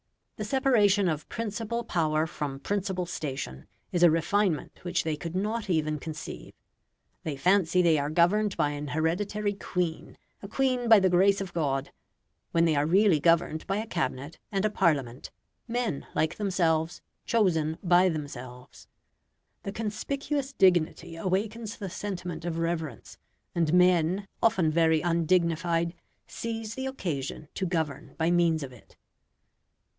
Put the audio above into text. The separation of principal power from principal station is a refinement which they could not even conceive. They fancy they are governed by an hereditary Queen, a Queen by the grace of God, when they are really governed by a Cabinet and a Parliament men like themselves, chosen by themselves. The conspicuous dignity awakens the sentiment of reverence, and men, often very undignified, seize the occasion to govern by means of it.